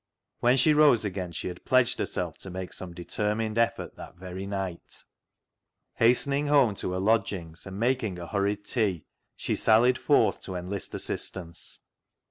When she rose again she had pledged herself to make some determined effort that very night. Hastening •'BULLET" PIE 205 home to her lodgings and making a hurried tea, she sallied forth to enlist assistance.